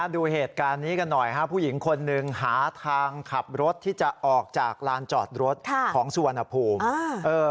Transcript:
ดูเหตุการณ์นี้กันหน่อยผู้หญิงคนหนึ่งหาทางขับรถที่จะออกจากลานจอดรถของสุวรรณภูมิ